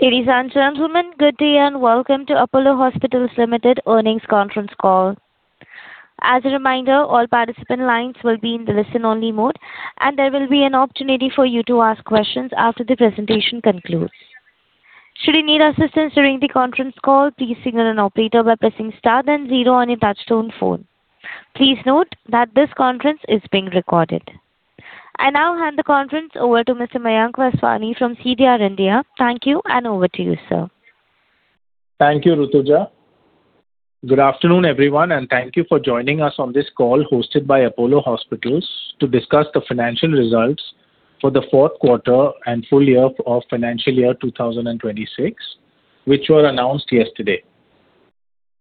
Ladies and gentlemen, good day and welcome to Apollo Hospitals Limited earnings conference call. As a reminder, all participant lines will be in the listen-only mode, and there will be an opportunity for you to ask questions after the presentation concludes. Should you need assistance during the conference call, please signal an operator by pressing star then 0 on your touch-tone phone. Please note that this conference is being recorded. I now hand the conference over to Mr. Mayank Vaswani from CDR India. Thank you, and over to you, sir. Thank you, Rutuja. Good afternoon, everyone, and thank you for joining us on this call hosted by Apollo Hospitals to discuss the financial results for the fourth quarter and full year of FY 2026, which were announced yesterday.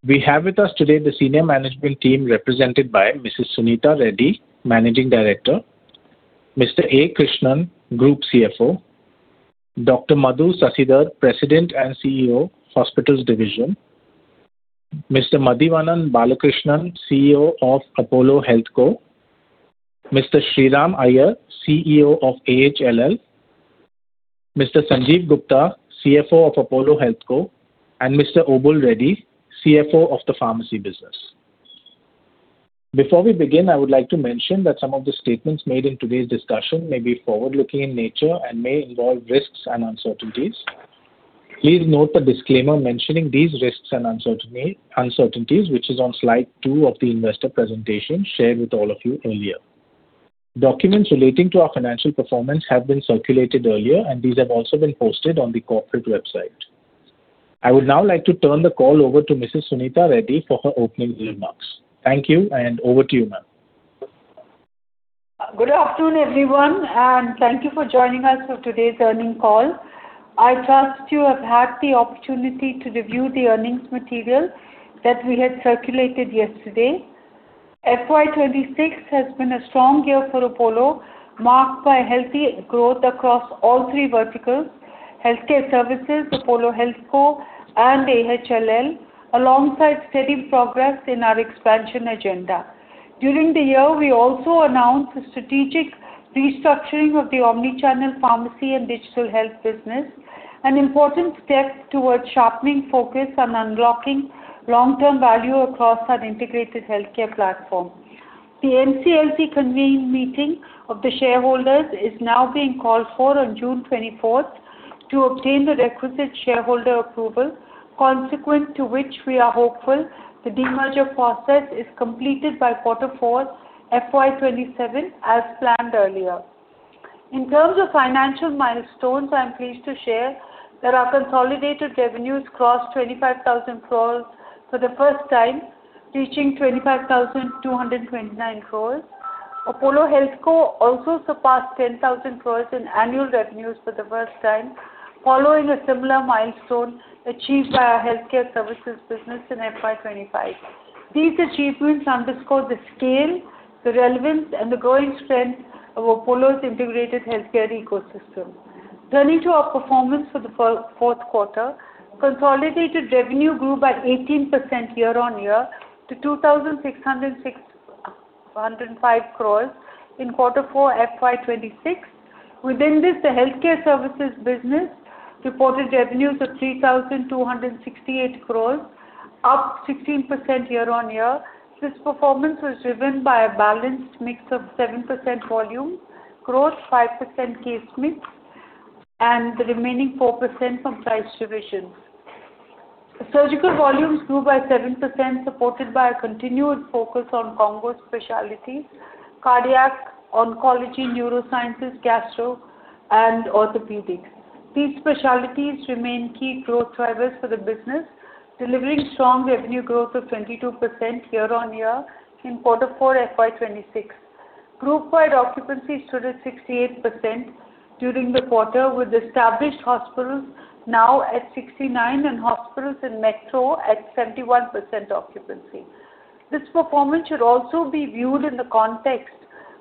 We have with us today the senior management team represented by Mrs. Suneeta Reddy, Managing Director. Mr. Krishnan Akhileswaran, Group CFO. Dr. Madhu Sasidhar, President and CEO, Hospitals Division. Mr. Madhivanan Balakrishnan, CEO of Apollo HealthCo. Mr. Sriram Iyer, CEO of AHLL. Mr. Sanjiv Gupta, CFO of Apollo HealthCo, and Mr. Obul Reddy, CFO of the pharmacy business. Before we begin, I would like to mention that some of the statements made in today's discussion may be forward-looking in nature and may involve risks and uncertainties. Please note the disclaimer mentioning these risks and uncertainties, which is on slide 2 of the investor presentation shared with all of you earlier. Documents relating to our financial performance have been circulated earlier, and these have also been posted on the corporate website. I would now like to turn the call over to Mrs. Suneeta Reddy for her opening remarks. Thank you, and over to you, ma'am. Good afternoon, everyone, and thank you for joining us for today's earnings call. I trust you have had the opportunity to review the earnings material that we had circulated yesterday. FY 2026 has been a strong year for Apollo, marked by healthy growth across all three verticals, healthcare services, Apollo HealthCo, and AHLL, alongside steady progress in our expansion agenda. During the year, we also announced a strategic restructuring of the omni-channel pharmacy and digital health business, an important step towards sharpening focus on unlocking long-term value across our integrated healthcare platform. The NCLT convened meeting of the shareholders is now being called for on June 24th to obtain the requisite shareholder approval, consequent to which we are hopeful the demerger process is completed by quarter four FY 2027 as planned earlier. In terms of financial milestones, I am pleased to share that our consolidated revenues crossed 25,000 crores for the first time, reaching 25,229 crores. Apollo HealthCo also surpassed 10,000 crores in annual revenues for the first time, following a similar milestone achieved by our healthcare services business in FY 2025. These achievements underscore the scale, the relevance, and the growing strength of Apollo's integrated healthcare ecosystem. Turning to our performance for the fourth quarter, consolidated revenue grew by 18% year-on-year to 2,605 crores in quarter four FY 2026. Within this, the healthcare services business reported revenues of 3,268 crores, up 16% year-on-year. This performance was driven by a balanced mix of 7% volume growth, 5% case mix, and the remaining 4% from price revisions. Surgical volumes grew by 7%, supported by a continued focus on combo specialties, cardiac, oncology, neurosciences, gastro, and orthopedics. These specialties remain key growth drivers for the business, delivering strong revenue growth of 22% year-on-year in Quarter 4 FY 2026. Group-wide occupancy stood at 68% during the quarter, with established hospitals now at 69% and hospitals in metro at 71% occupancy. This performance should also be viewed in the context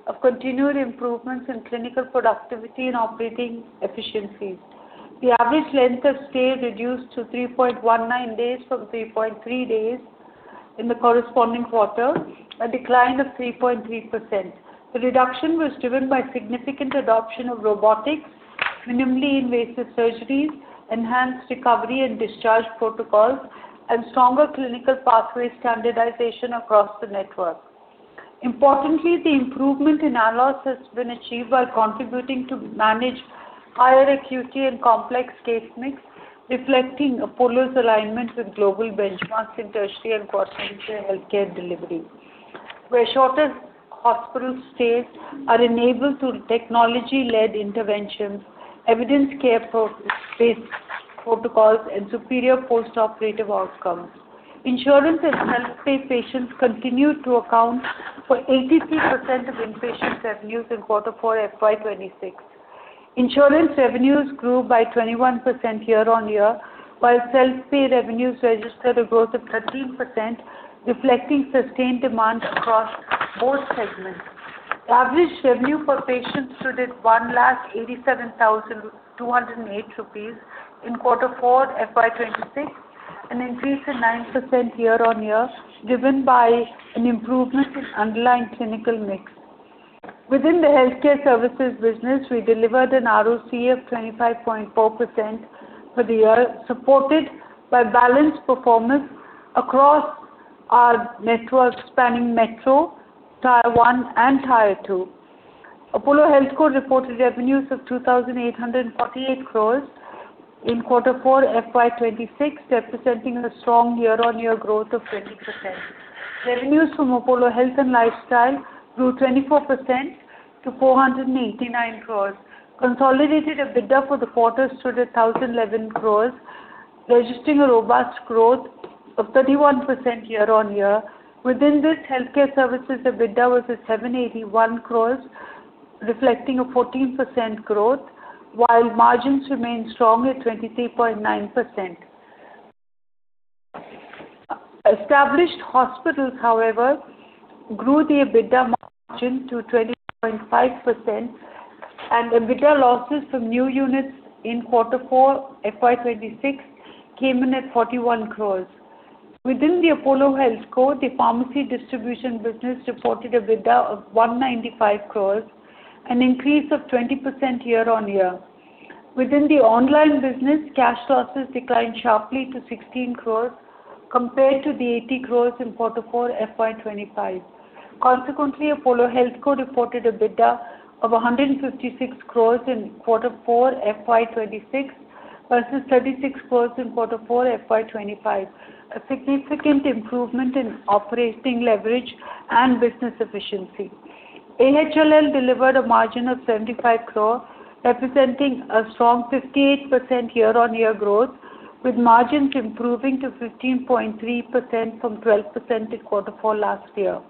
of continued improvements in clinical productivity and operating efficiencies. The average length of stay reduced to 3.19 days from 3.3 days in the corresponding quarter, a decline of 3.3%. The reduction was driven by significant adoption of robotics, minimally invasive surgeries, enhanced recovery and discharge protocols, and stronger clinical pathway standardization across the network. Importantly, the improvement in ALOS has been achieved by contributing to manage higher acuity and complex case mix, reflecting Apollo's alignment with global benchmarks in tertiary and quaternary healthcare delivery, where shorter hospital stays are enabled through technology-led interventions, evidence care-based protocols, and superior postoperative outcomes. Insurance and self-pay patients continued to account for 83% of inpatient revenues in quarter 4 FY 2026. Insurance revenues grew by 21% year-on-year, while self-pay revenues registered a growth of 13%, reflecting sustained demand across both segments. Average revenue per patient stood at 1,87,208 rupees in quarter 4 FY 2026, an increase of 9% year-on-year, driven by an improvement in underlying clinical mix. Within the healthcare services business, we delivered an ROC of 25.4% for the year, supported by balanced performance across our networks spanning metro, Tier 1, and Tier 2. Apollo HealthCo reported revenues of 2,848 crore in Q4 FY 2026, representing a strong year-on-year growth of 20%. Revenues from Apollo Health and Lifestyle grew 24% to 489 crore. Consolidated EBITDA for the quarter stood at 1,011 crore, registering a robust growth of 31% year-on-year. Within this healthcare services, EBITDA was at 781 crore, reflecting a 14% growth, while margins remained strong at 23.9%. Established hospitals, however, grew the EBITDA margin to 20.5%, and EBITDA losses from new units in Q4 FY 2026 came in at 41 crore. Within the Apollo HealthCo, the pharmacy distribution business reported EBITDA of 195 crore, an increase of 20% year-on-year. Within the online business, cash losses declined sharply to 16 crore compared to the 80 crore in Q4 FY 2025. Consequently, Apollo HealthCo reported EBITDA of 156 crore in Q4 FY 2026 versus 36 crore in Q4 FY 2025. A significant improvement in operating leverage and business efficiency. AHLL delivered a margin of 75 crore, representing a strong 58% year-on-year growth, with margins improving to 15.3% from 12% in Q4 last year.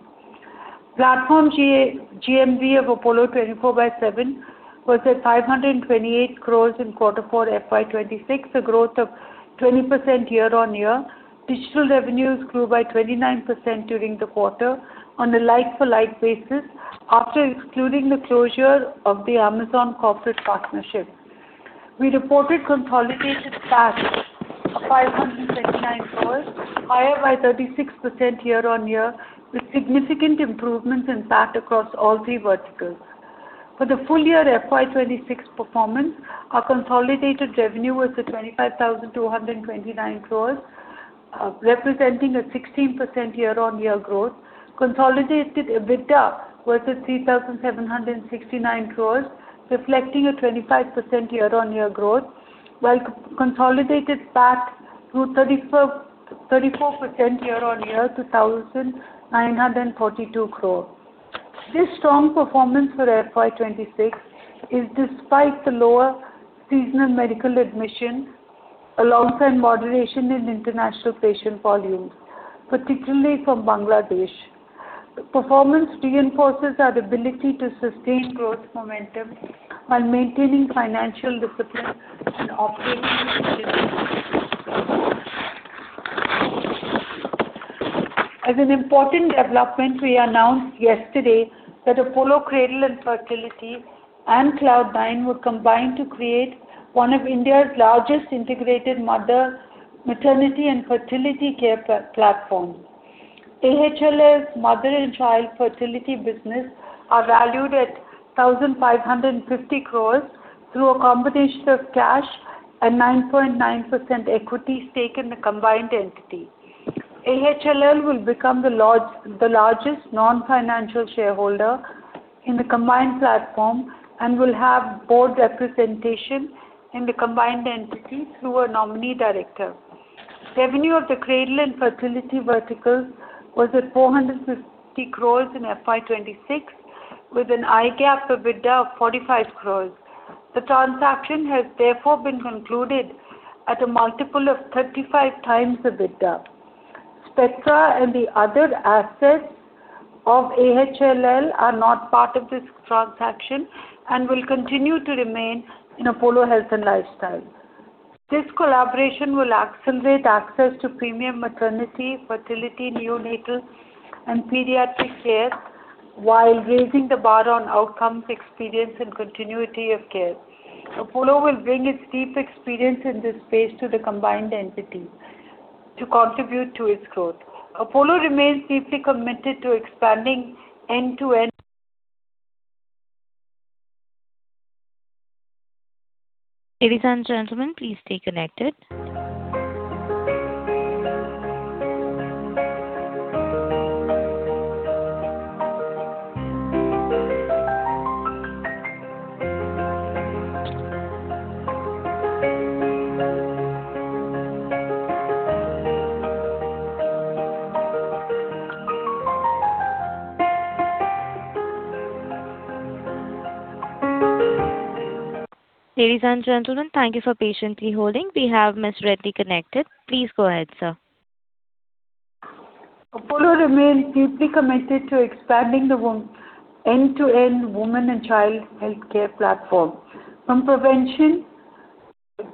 Platform GMV of Apollo 24/7 was at 528 crores in Q4 FY 2026, a growth of 20% year-on-year. Digital revenues grew by 29% during the quarter on a like-for-like basis after excluding the closure of the Amazon corporate partnership. We reported consolidated PAT of INR 579 crores, higher by 36% year-on-year, with significant improvements in PAT across all three verticals. For the full year FY 2026 performance, our consolidated revenue was at 25,229 crores, representing a 16% year-on-year growth. Consolidated EBITDA was at 3,769 crores, reflecting a 25% year-on-year growth, while consolidated PAT grew 34% year-on-year to 1,942 crore. This strong performance for FY 2026 is despite the lower seasonal medical admission alongside moderation in international patient volumes, particularly from Bangladesh. Performance reinforces our ability to sustain growth momentum while maintaining financial discipline and operating discipline. As an important development, we announced yesterday that Apollo Cradle and Fertility and Cloudnine will combine to create one of India's largest integrated maternity and fertility care platforms. AHLL's mother and child fertility business are valued at 1,550 crores through a combination of cash and 9.9% equity stake in the combined entity. AHLL will become the largest non-financial shareholder in the combined platform and will have board representation in the combined entity through a nominee director. Revenue of the Cradle and Fertility verticals was at 450 crores in FY 2026 with an adjusted EBITDA of 45 crores. Therefore, the transaction has been concluded at a multiple of 35x the EBITDA. Spectra and the other assets of AHLL are not part of this transaction and will continue to remain in Apollo Health and Lifestyle. This collaboration will accelerate access to premium maternity, fertility, neonatal, and pediatric care while raising the bar on outcomes, experience, and continuity of care. Apollo will bring its deep experience in this space to the combined entity to contribute to its growth. Apollo remains deeply committed to expanding end-to-end. Ladies and gentlemen, please stay connected. Ladies and gentlemen, thank you for patiently holding. We have Ms. Reddy connected. Please go ahead, sir. Apollo remains deeply committed to expanding the end-to-end women and child healthcare platform, from prevention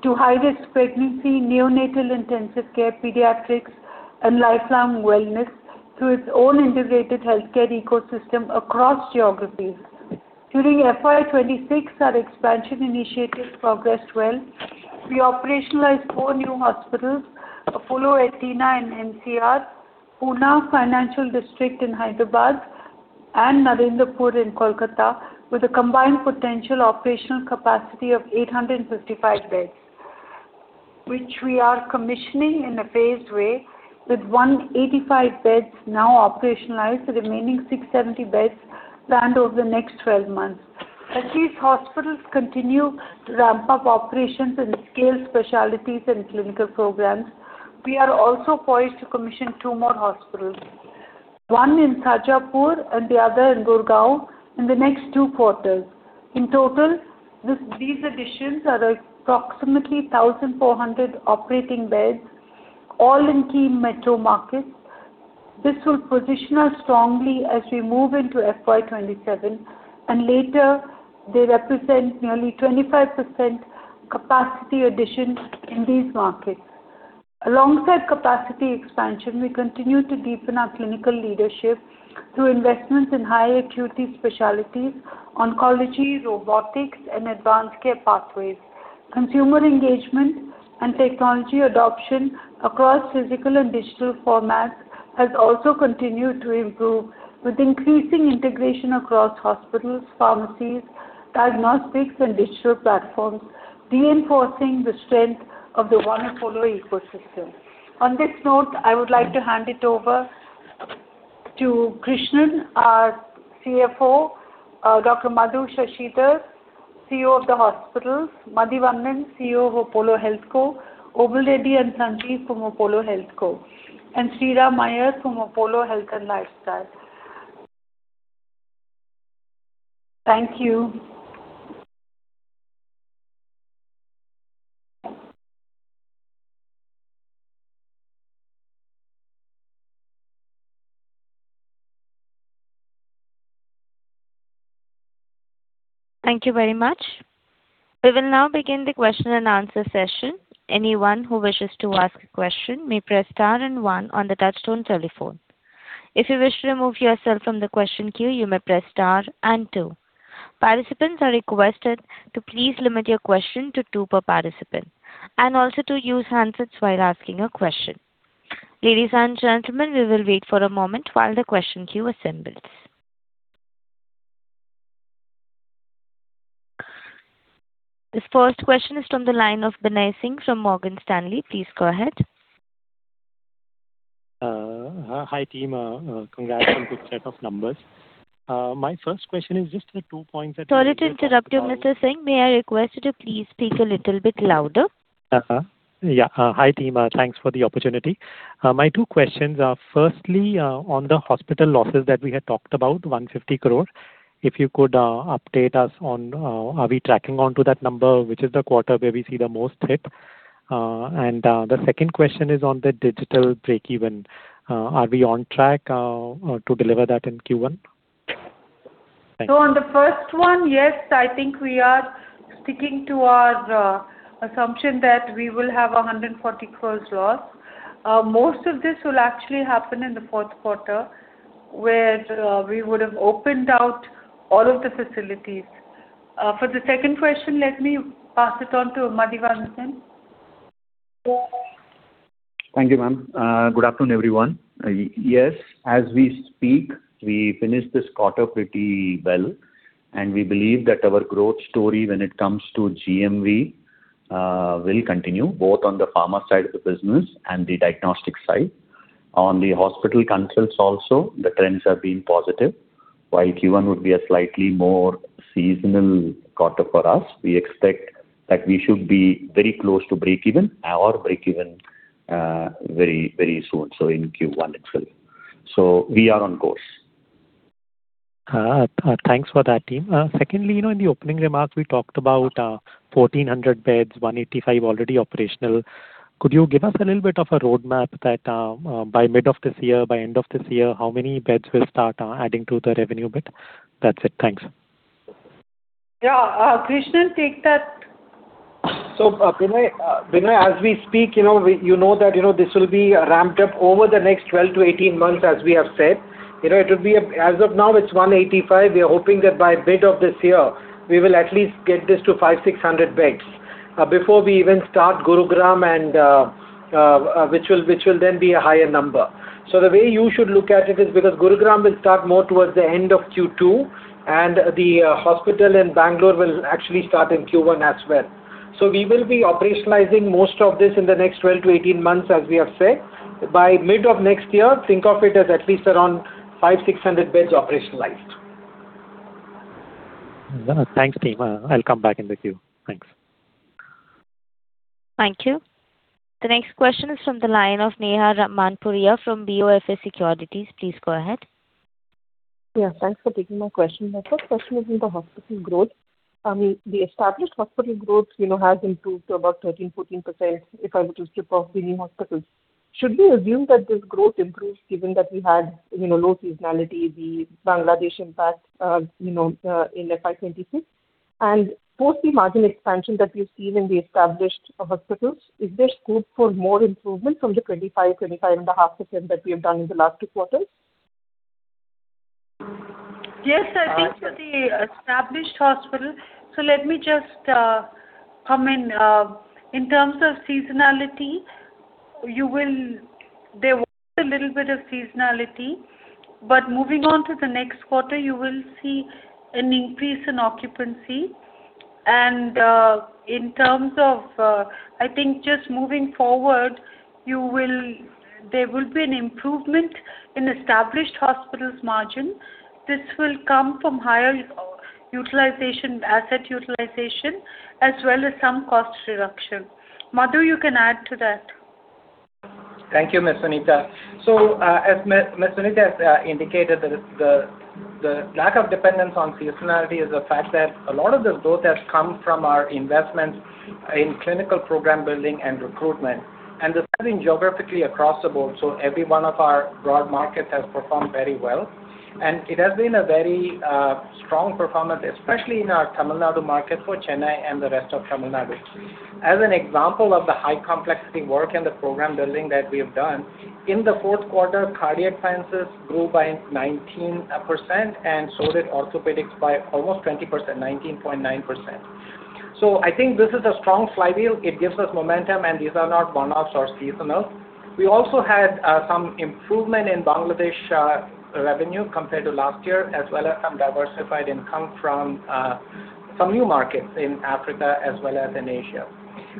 to high-risk pregnancy, neonatal intensive care, pediatrics, and lifelong wellness through its own integrated healthcare ecosystem across geographies. During FY 2026, our expansion initiatives progressed well. We operationalized four new hospitals, Apollo Athenaa in NCR, Pune, Financial District in Hyderabad, and Narendrapur in Kolkata with a combined potential operational capacity of 855 beds, which we are commissioning in a phased way with 185 beds now operationalized, the remaining 670 beds planned over the next 12 months. As these hospitals continue to ramp up operations and scale specialties and clinical programs, we are also poised to commission two more hospitals, one in Sarjapur and the other in Gurgaon, in the next two quarters. In total, these additions are approximately 1,400 operating beds, all in key metro markets. This will position us strongly as we move into FY 2027, later they represent nearly 25% capacity addition in these markets. Alongside capacity expansion, we continue to deepen our clinical leadership through investments in high acuity specialties, oncology, robotics, and advanced care pathways. Consumer engagement and technology adoption across physical and digital formats has also continued to improve with increasing integration across hospitals, pharmacies, diagnostics, and digital platforms, reinforcing the strength of the wider Apollo ecosystem. On this note, I would like to hand it over to Krishnan, our CFO, Dr. Madhu Sasidhar, CEO of the hospitals, Madhivanan, CEO of Apollo HealthCo, Obul Reddy and Sanjiv from Apollo HealthCo, and Sriram Iyer from Apollo Health & Lifestyle. Thank you. Thank you very much. We will now begin the question and answer session. Anyone who wishes to ask a question may press star and 1 on the touchtone telephone. If you wish to remove yourself from the question queue, you may press star and two. Participants are requested to please limit your question to two per participant, and also to use handsets while asking a question. Ladies and gentlemen, we will wait for a moment while the question queue assembles. This first question is from the line of Binay Singh from Morgan Stanley. Please go ahead. Hi, team. Congrats on good set of numbers. My first question is just the two points that. Sorry to interrupt you, Mr. Singh. May I request you to please speak a little bit louder. Yeah. Hi, team. Thanks for the opportunity. My two questions are, firstly, on the hospital losses that we had talked about, 150 crore. If you could update us on are we tracking on to that number, which is the quarter where we see the most hit. The second question is on the digital break-even. Are we on track to deliver that in Q1? Thank you. On the first one, yes, I think we are sticking to our assumption that we will have 140 crore loss. Most of this will actually happen in the fourth quarter, where we would have opened out all of the facilities. For the second question, let me pass it on to Madhivanan then. Thank you, ma'am. Good afternoon, everyone. Yes, as we speak, we finish this quarter pretty well, and we believe that our growth story when it comes to GMV will continue both on the pharma side of the business and the diagnostic side. On the hospital consults also, the trends have been positive. While Q1 would be a slightly more seasonal quarter for us, we expect that we should be very close to break-even or break-even very soon, so in Q1 itself. We are on course. Thanks for that, team. Secondly, in the opening remarks, we talked about 1,400 beds, 185 already operational. Could you give us a little bit of a roadmap that by mid of this year, by end of this year, how many beds will start adding to the revenue bit? That's it. Thanks. Yeah. Krishnan, take that. Binay, as we speak, you know that this will be ramped up over the next 12-18 months, as we have said. As of now, it's 185. We are hoping that by mid of this year, we will at least get this to 500-600 beds. Before we even start Gurugram which will be a higher number. The way you should look at it is because Gurugram will start more towards the end of Q2, and the hospital in Bengaluru will actually start in Q1 as well. We will be operationalizing most of this in the next 12-18 months, as we have said. By mid of next year, think of it as at least around 500-600 beds operationalized. Thanks, team. I'll come back in the queue. Thanks. Thank you. The next question is from the line of Neha Manpuria from BofA Securities. Please go ahead. Thanks for taking my question. My first question is in the hospital growth. The established hospital growth has improved to about 13%-14%, if I were to strip off the new hospitals. Should we assume that this growth improves given that we had low seasonality, the Bangladesh impact in FY 2026? Post the margin expansion that we've seen in the established hospitals, is there scope for more improvement from the 25%, 25.5% that we have done in the last two quarters? I think for the established hospital. Let me just come in. In terms of seasonality, there was a little bit of seasonality. Moving on to the next quarter, you will see an increase in occupancy. In terms of, I think just moving forward, there will be an improvement in established hospitals margin. This will come from higher asset utilization as well as some cost reduction. Madhu, you can add to that. Thank you, Ms. Suneeta. As Ms. Suneeta has indicated, the lack of dependence on seasonality is a fact that a lot of the growth has come from our investments in clinical program building and recruitment, and they are spreading geographically across the board. Every one of our broad markets has performed very well. It has been a very strong performance, especially in our Tamil Nadu market for Chennai and the rest of Tamil Nadu. As an example of the high complexity work and the program building that we have done, in the fourth quarter, cardiac sciences grew by 19%, and so did orthopedics by almost 20%, 19.9%. I think this is a strong flywheel. It gives us momentum, and these are not one-offs or seasonal. We also had some improvement in Bangladesh revenue compared to last year, as well as some diversified income from some new markets in Africa as well as in Asia.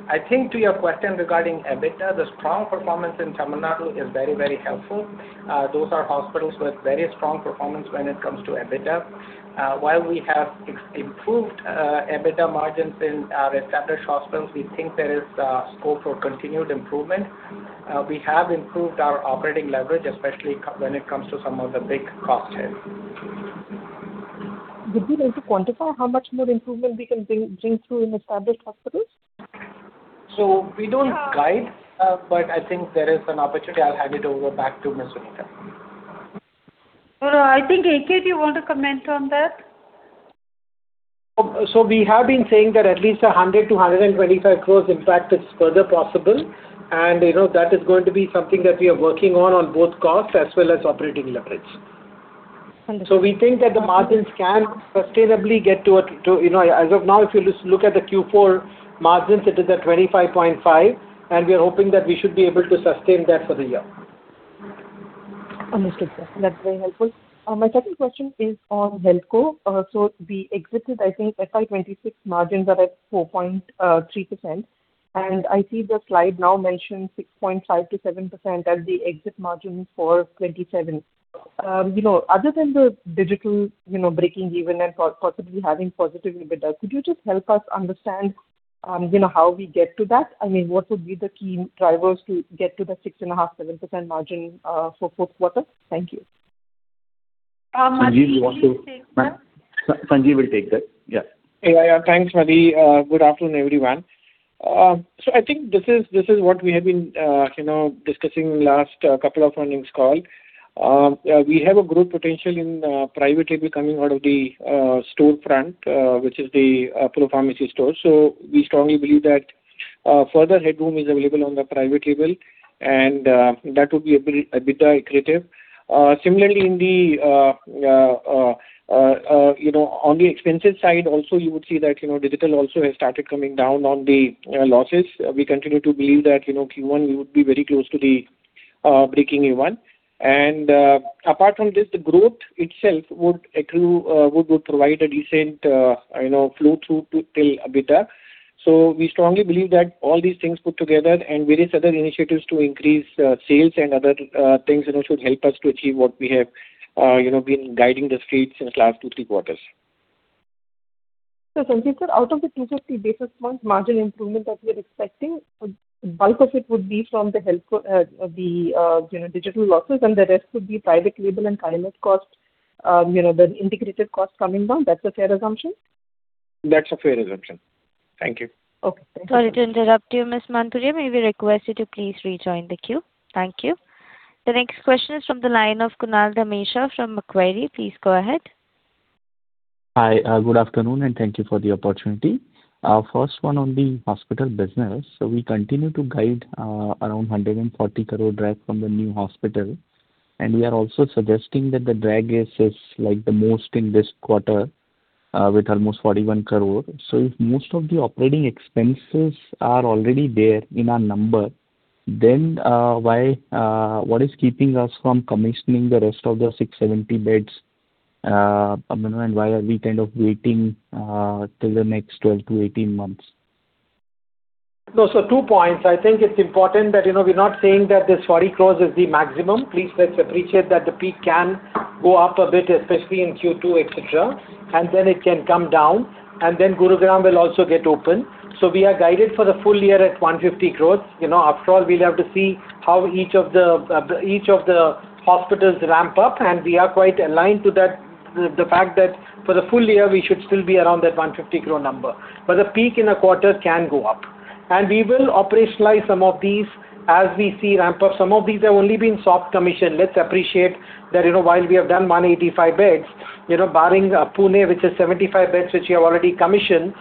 I think to your question regarding EBITDA, the strong performance in Tamil Nadu is very helpful. Those are hospitals with very strong performance when it comes to EBITDA. While we have improved EBITDA margins in our established hospitals, we think there is scope for continued improvement. We have improved our operating leverage, especially when it comes to some of the big cost hits. Would you like to quantify how much more improvement we can bring through in established hospitals? We don't guide. I think there is an opportunity. I'll hand it over back to Ms. Suneeta. I think, AK, do you want to comment on that? We have been saying that at least 100-125 crores, in fact, is further possible. That is going to be something that we are working on both costs as well as operating leverage. Understood. We think that the margins can sustainably get to, as of now, if you look at the Q4 margins, it is at 25.5%, and we are hoping that we should be able to sustain that for the year. Understood, sir. That's very helpful. My second question is on HealthCo. We exited, I think, FY 2026 margins are at 4.3%, and I see the slide now mentions 6.5%-7% as the exit margin for 2027. Other than the digital breaking even and possibly having positive EBITDA, could you just help us understand how we get to that? I mean, what would be the key drivers to get to the 6.5%-7% margin for fourth quarter? Thank you. Madhu, do you want to take that? Sanjiv will take that. Yeah. Yeah. Thanks, Madhu. Good afternoon, everyone. I think this is what we have been discussing last couple of earnings call. We have a growth potential in private label coming out of the store front, which is the Apollo Pharmacy store. We strongly believe that further headroom is available on the private label, and that would be a bit accretive. Similarly, on the expenses side also, you would see that digital also has started coming down on the losses. We continue to believe that Q1 we would be very close to the breaking even. Apart from this, the growth itself would provide a decent flow through to EBITDA. We strongly believe that all these things put together and various other initiatives to increase sales and other things should help us to achieve what we have been guiding the streets in the last two, three quarters. Sanjiv sir, out of the 250 basis points margin improvement that we are expecting, bulk of it would be from the digital losses and the rest would be private label and pharmacy costs, the integrated costs coming down. That's a fair assumption? That's a fair assumption. Thank you. Okay. Sorry to interrupt you, Ms. Manpuria. May we request you to please rejoin the queue. Thank you. The next question is from the line of Kunal Dhamesha from Macquarie. Please go ahead. Hi, good afternoon and thank you for the opportunity. First one on the hospital business. We continue to guide around 140 crore drag from the new hospital, and we are also suggesting that the drag is the most in this quarter with almost 41 crore. If most of the operating expenses are already there in our number, then what is keeping us from commissioning the rest of the 670 beds, and why are we kind of waiting till the next 12-18 months? No. Two points. I think it's important that we're not saying that this 40 crore is the maximum. Please let's appreciate that the peak can go up a bit, especially in Q2, et cetera, then it can come down, Gurugram will also get open. We are guided for the full year at 150 crore. After all, we'll have to see how each of the hospitals ramp up, and we are quite aligned to the fact that for the full year, we should still be around that 150 crore number. The peak in a quarter can go up. We will operationalize some of these as we see ramp up. Some of these have only been soft commissioned. Let's appreciate that while we have done 185 beds, barring Pune, which is 75 beds, which we have already commissioned.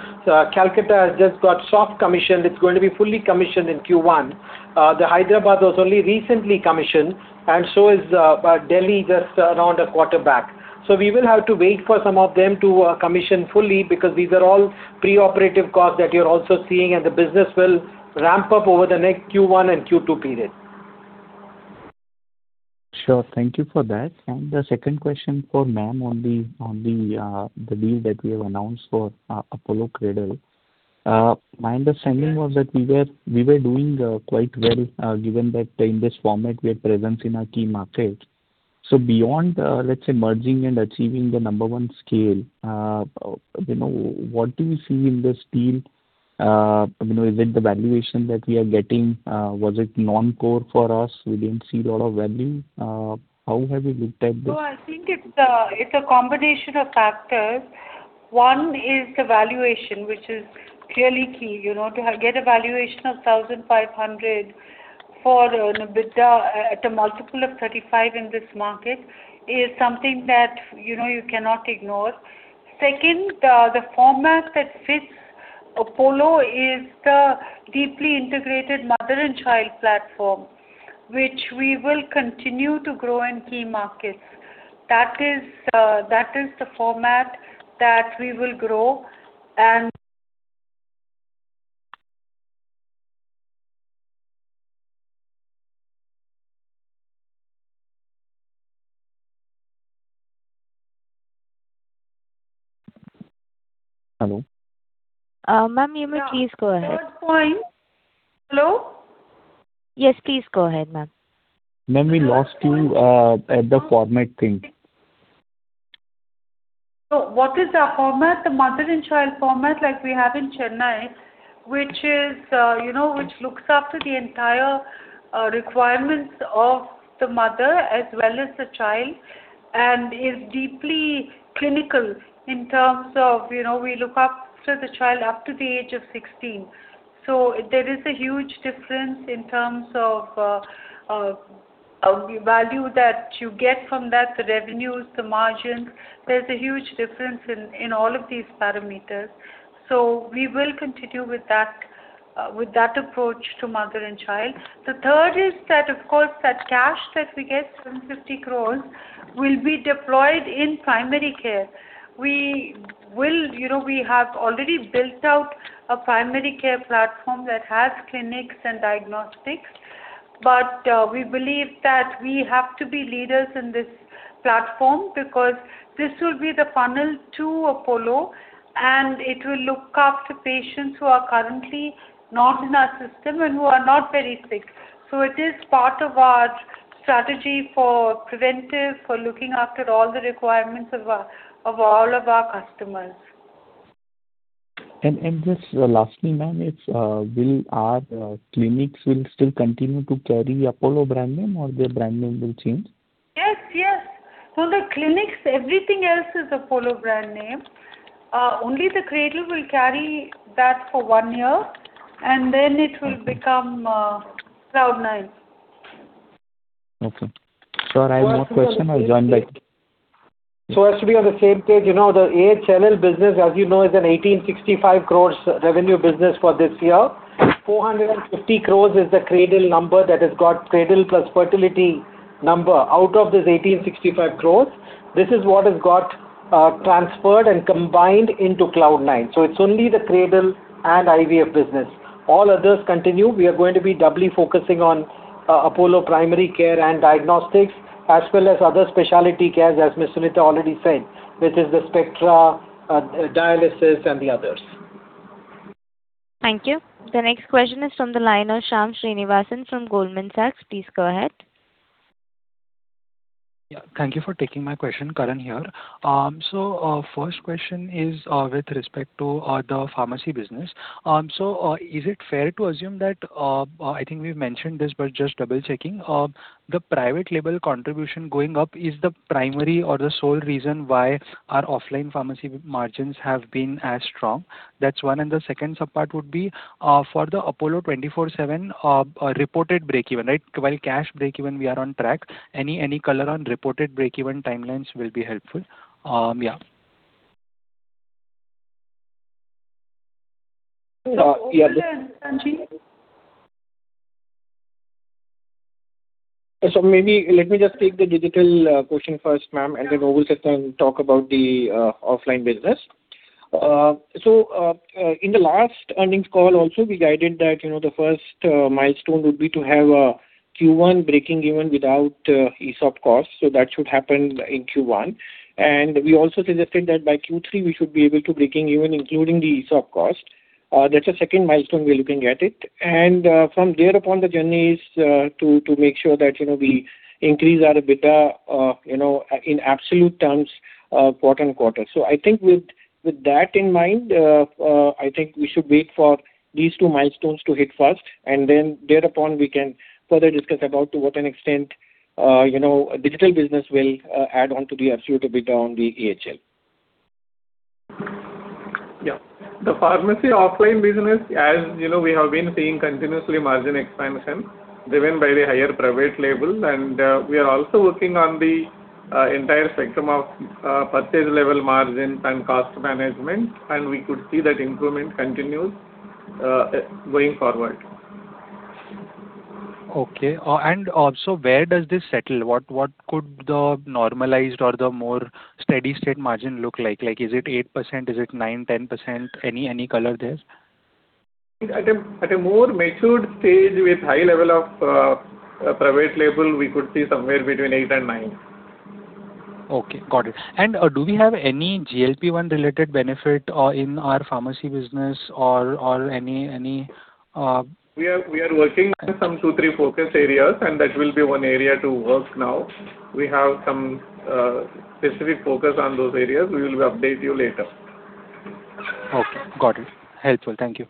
Calcutta has just got soft commissioned. It is going to be fully commissioned in Q1. The Hyderabad was only recently commissioned, and so is Delhi, just around a quarter back. We will have to wait for some of them to commission fully because these are all preoperative costs that you are also seeing, and the business will ramp up over the next Q1 and Q2 periods. Sure. Thank you for that. The second question for ma'am on the deal that we have announced for Apollo Cradle. My understanding was that we were doing quite well, given that in this format we have presence in our key markets. Beyond, let's say, merging and achieving the number one scale, what do you see in this deal? Is it the valuation that we are getting? Was it non-core for us, we didn't see a lot of value? How have you looked at this? I think it's a combination of factors. One is the valuation, which is clearly key. To get a valuation of 1,500 for an EBITDA at a multiple of 35 in this market is something that you cannot ignore. Second, the format that fits Apollo is the deeply integrated mother and child platform, which we will continue to grow in key markets. That is the format that we will grow. Hello. Ma'am, you may please go ahead. Yeah. Not going. Hello. Yes, please go ahead, ma'am. Ma'am, we lost you at the format thing. What is our format? The mother and child format like we have in Chennai, which looks after the entire requirements of the mother as well as the child, and is deeply clinical in terms of we look after the child up to the age of 16. There is a huge difference in terms of the value that you get from that, the revenues, the margins. There is a huge difference in all of these parameters. We will continue with that approach to mother and child. The third is that, of course, that cash that we get, 750 crores, will be deployed in primary care. We have already built out a primary care platform that has clinics and diagnostics. We believe that we have to be leaders in this platform because this will be the funnel to Apollo, and it will look after patients who are currently not in our system and who are not very sick. It is part of our strategy for preventive, for looking after all the requirements of all of our customers. Just lastly, ma'am, will our clinics still continue to carry Apollo brand name or their brand name will change? Yes. The clinics, everything else is Apollo brand name. Only the Cradle will carry that for one year, and then it will become Cloudnine. Okay. Sir, I have one question. I'll join back. As to be on the same page, the AHLL business, as you know, is an 1,865 crore revenue business for this year. 450 crore is the Cradle number that has got Cradle plus fertility number. Out of this 165 crore, this is what has got transferred and combined into Cloudnine. It's only the Cradle and IVF business. All others continue. We are going to be doubly focusing on Apollo primary care and diagnostics, as well as other specialty cares, as Mrs. Suneeta Reddy already said, which is the Spectra dialysis and the others. Thank you. The next question is from the line of Shyam Srinivasan from Goldman Sachs. Please go ahead. Yeah. Thank you for taking my question. Karan here. First question is with respect to the pharmacy business. Is it fair to assume that, I think we've mentioned this, but just double-checking. The private label contribution going up is the primary or the sole reason why our offline pharmacy margins have been as strong? That's one. The second sub-part would be for the Apollo 24/7 reported breakeven. While cash breakeven we are on track, any color on reported breakeven timelines will be helpful. Yeah. Over to you, Sanjiv. Maybe let me just take the digital portion first, ma'am, and then Obul can talk about the offline business. In the last earnings call also, we guided that the first milestone would be to have Q1 breakeven without ESOP costs. That should happen in Q1. We also suggested that by Q3, we should be able to breakeven including the ESOP cost. That's the second milestone we're looking at it. From there upon the journey is to make sure that we increase our EBITDA in absolute terms quarter on quarter. I think with that in mind, I think we should wait for these two milestones to hit first, and then thereupon we can further discuss about to what an extent digital business will add on to the absolute EBITDA on the AHLL. Yeah. The pharmacy offline business, as you know, we have been seeing continuously margin expansion, driven by the higher private labels. We are also working on the entire spectrum of purchase level margins and cost management. We could see that improvement continues going forward. Okay. Also, where does this settle? What could the normalized or the more steady state margin look like? Is it 8%? Is it 9%, 10%? Any color there? At a more matured stage with high level of private label, we could see somewhere between 8% and 9%. Okay, got it. Do we have any GLP-1 related benefit in our pharmacy business? We are working on some two, three focus areas, and that will be 1 area to work now. We have some specific focus on those areas. We will update you later. Okay, got it. Helpful. Thank you.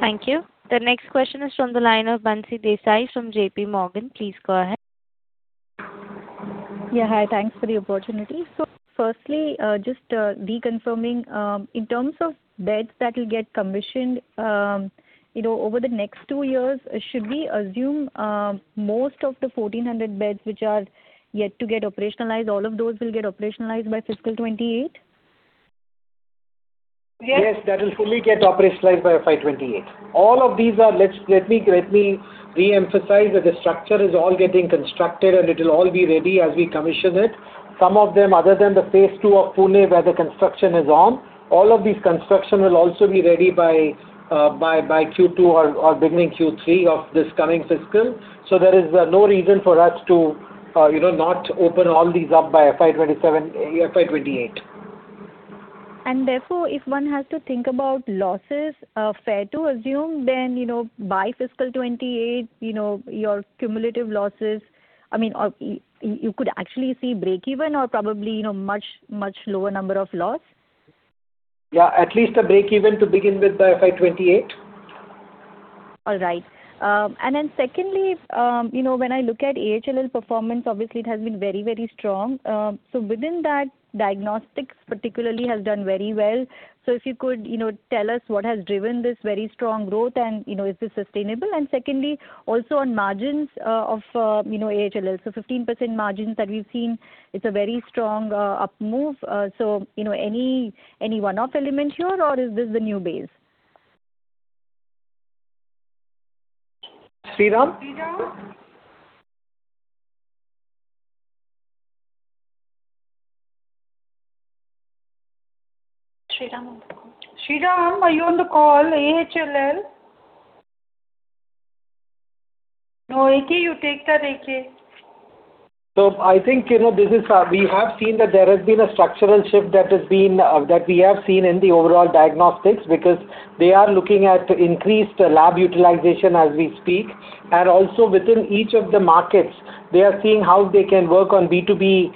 Thank you. The next question is from the line of Bansi Desai from JPMorgan. Please go ahead. Yeah, hi. Thanks for the opportunity. Firstly, just reconfirming, in terms of beds that will get commissioned over the next two years, should we assume most of the 1,400 beds which are yet to get operationalized, all of those will get operationalized by fiscal 2028? Yes, that will fully get operationalized by FY 2028. All of these. Let me reemphasize that the structure is all getting constructed, it will all be ready as we commission it. Some of them other than the phase 2 of Pune where the construction is on, all of these construction will also be ready by Q2 or beginning Q3 of this coming fiscal. There is no reason for us to not open all these up by FY 2028. Therefore, if one has to think about losses, fair to assume then, by fiscal 2028, your cumulative losses, you could actually see breakeven or probably much lower number of loss? Yeah, at least a breakeven to begin with by FY 2028. All right. Secondly, when I look at AHLL performance, obviously it has been very strong. Within that, diagnostics particularly has done very well. If you could tell us what has driven this very strong growth, and is this sustainable? Secondly, also on margins of AHLL. 15% margins that we've seen, it's a very strong up move. Any one-off element here, or is this the new base? Sriram? Sriram? Sriram, are you on the call, AHLL? No. AK, you take the AK. I think we have seen that there has been a structural shift that we have seen in the overall diagnostics because they are looking at increased lab utilization as we speak. Also within each of the markets, they are seeing how they can work on B2B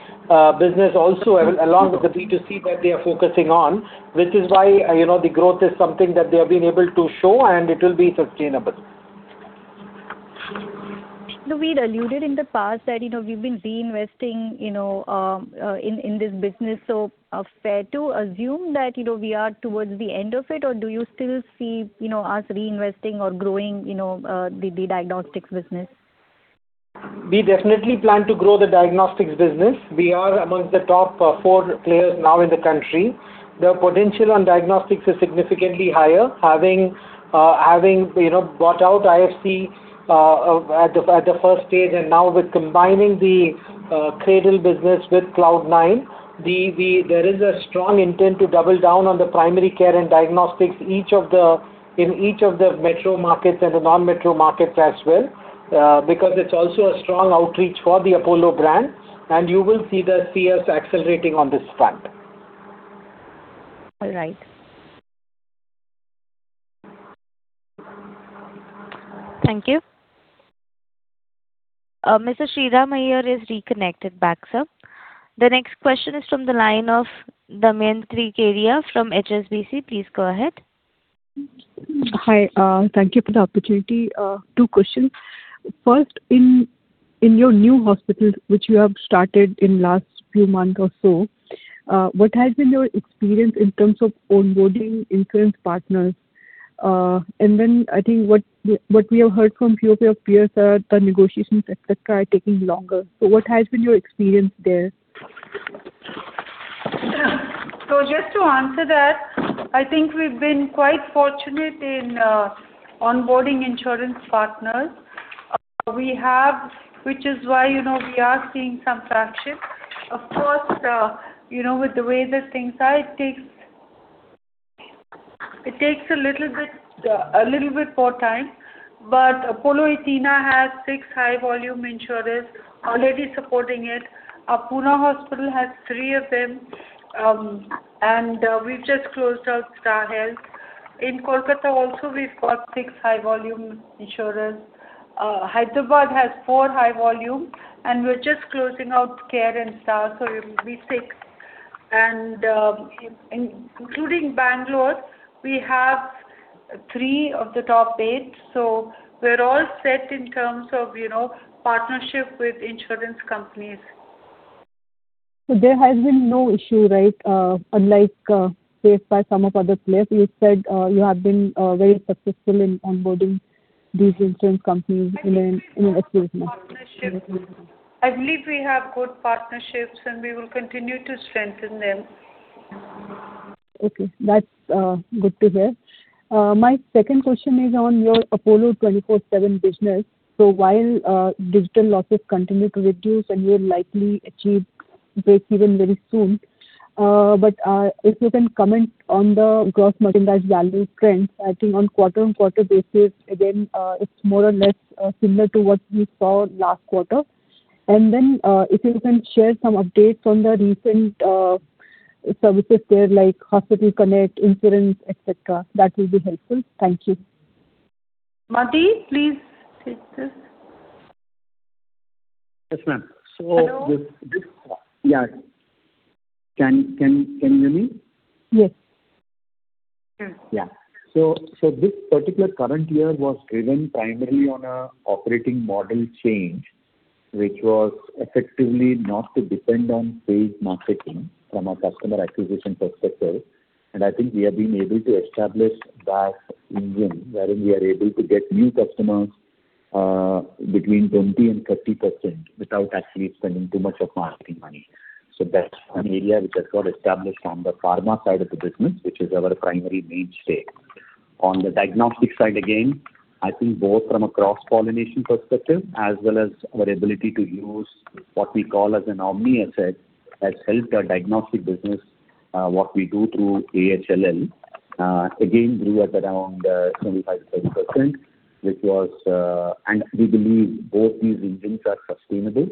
business also along with the B2C that they are focusing on, which is why the growth is something that they have been able to show, and it will be sustainable. We'd alluded in the past that we've been reinvesting in this business. Fair to assume that we are towards the end of it, or do you still see us reinvesting or growing the diagnostics business? We definitely plan to grow the diagnostics business. We are amongst the top four players now in the country. The potential on diagnostics is significantly higher. Having bought out IFC at the first stage and now with combining the Apollo Cradle business with Cloudnine, there is a strong intent to double down on the primary care and diagnostics in each of the metro markets and the non-metro markets as well, because it's also a strong outreach for the Apollo brand, and you will see us accelerating on this front. All right. Thank you. Mr. Sriram Iyer is reconnected back, sir. The next question is from the line of Damayanti Kerai from HSBC. Please go ahead. Hi. Thank you for the opportunity. Two questions. First, in your new hospital, which you have started in last few months or so, what has been your experience in terms of onboarding insurance partners? I think what we have heard from few of your peers are the negotiations, et cetera, are taking longer. What has been your experience there? Just to answer that, I think we've been quite fortunate in onboarding insurance partners, which is why we are seeing some traction. Of course, with the way that things are, it takes a little bit more time. Apollo Athenaa has six high volume insurers already supporting it. Our Pune hospital has three of them. We've just closed out Star Health. In Kolkata also, we've got six high volume insurers. Hyderabad has four high volume, and we're just closing out Care and Star, so it will be 6. Including Bangalore, we have 3 of the top 8. We're all set in terms of partnership with insurance companies. There has been no issue, unlike faced by some of other players. You said you have been very successful in onboarding these insurance companies in an exclusive manner. I believe we have good partnerships, and we will continue to strengthen them. Okay. That's good to hear. My second question is on your Apollo 24/7 business. While digital losses continue to reduce and you'll likely achieve breakeven very soon. If you can comment on the gross merchandise value trends, I think on quarter-on-quarter basis, again, it's more or less similar to what we saw last quarter. Then, if you can share some updates on the recent services there like Apollo Connect, insurance, et cetera, that will be helpful. Thank you. Madhi, please take this. Yes, ma'am. Hello. Yeah. Can you hear me? Yes. Yeah. Yeah. This particular current year was driven primarily on a operating model change, which was effectively not to depend on paid marketing from a customer acquisition perspective. I think we have been able to establish that engine wherein we are able to get new customers between 20% and 30% without actually spending too much of marketing money. That's an area which has got established on the pharma side of the business, which is our primary mainstay. On the diagnostic side again, I think both from a cross-pollination perspective, as well as our ability to use what we call as an omni asset, has helped our diagnostic business, what we do through AHLL. Again, we are around 25% to 30%, and we believe both these engines are sustainable.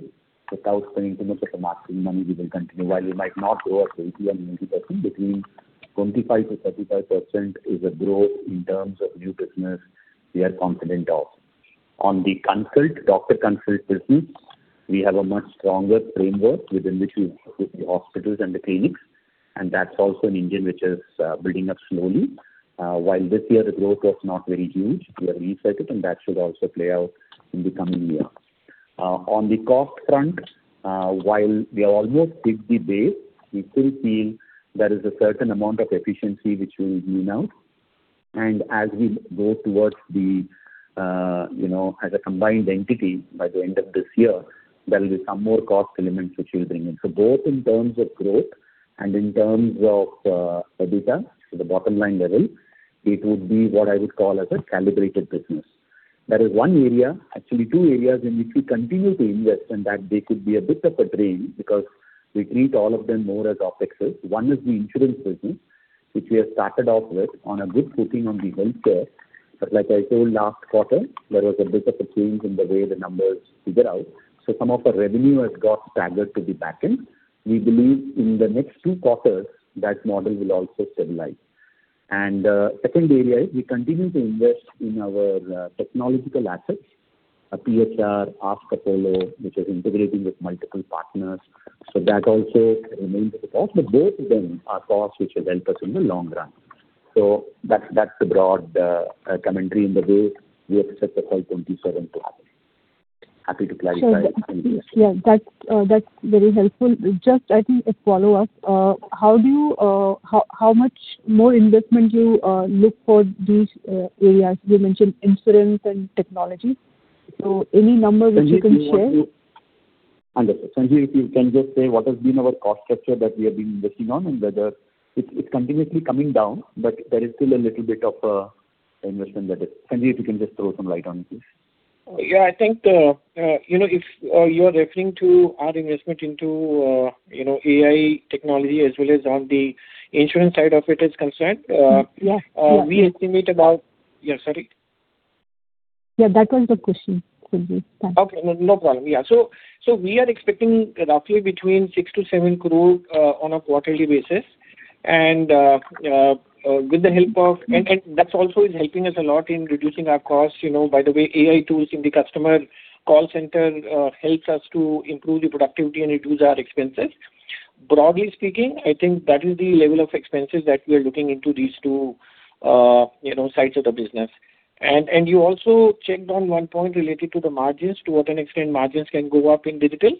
Without spending too much of the marketing money, we will continue. While we might not grow at 80% and 90%, between 25%-35% is a growth in terms of new business we are confident of. On the consult, doctor consult business, we have a much stronger framework within which we've put the hospitals and the clinics, and that's also an engine which is building up slowly. While this year the growth was not very huge, we are reset it and that should also play out in the coming year. On the cost front, while we have almost fixed the base, we still feel there is a certain amount of efficiency which we will wring out. As we go towards as a combined entity by the end of this year, there will be some more cost elements which we'll bring in. Both in terms of growth and in terms of EBITDA to the bottom line level, it would be what I would call as a calibrated business. There is one area, actually two areas in which we continue to invest and that they could be a bit of a drain because we treat all of them more as OpEx. One is the insurance business, which we have started off with on a good footing on the healthcare. Like I told last quarter, there was a bit of a change in the way the numbers figure out. Some of our revenue has got staggered to the back end. We believe in the next two quarters, that model will also stabilize. Second area is we continue to invest in our technological assets, PHR, Ask Apollo, which is integrating with multiple partners. That also remains a cost, but both of them are costs which will help us in the long run. That's the broad commentary in the way we expect the FY 2027 to happen. Happy to clarify any questions. Yeah. That's very helpful. Just I think a follow-up. How much more investment you look for these areas? You mentioned insurance and technology. Any numbers which you can share? Sanjiv, if you can just say what has been our cost structure that we have been investing on. It's continuously coming down, but there is still a little bit of investment. Sanjiv, if you can just throw some light on it, please. Yeah. I think, if you are referring to our investment into AI technology as well as on the insurance side of it is concerned. Yeah we estimate. Yeah, sorry. Yeah, that was the question, Sanjiv. Thanks. Okay, no problem. Yeah. We are expecting roughly between 6-7 crore on a quarterly basis. That also is helping us a lot in reducing our costs. By the way, AI tools in the customer call center helps us to improve the productivity and reduce our expenses. Broadly speaking, I think that is the level of expenses that we are looking into these two sides of the business. You also checked on one point related to the margins, to what an extent margins can go up in Digital.